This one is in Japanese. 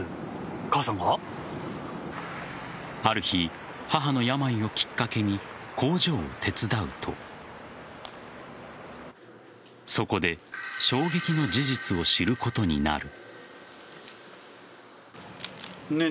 ある日、母の病をきっかけに工場を手伝うとそこで衝撃の事実を知ることになる。